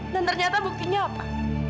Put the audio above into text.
dan ternyata buktinya apa